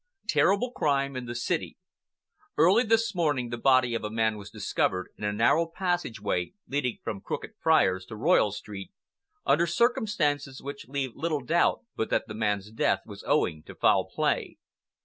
TERRIBLE CRIME IN THE CITY Early this morning the body of a man was discovered in a narrow passageway leading from Crooked Friars to Royal Street, under circumstances which leave little doubt but that the man's death was owing to foul play.